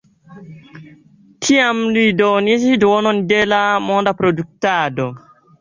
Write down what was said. Tiam ili donis duonon de la monda produktado.